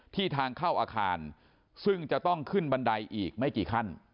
ทางเข้าอาคารซึ่งจะต้องขึ้นบันไดอีกไม่กี่ขั้น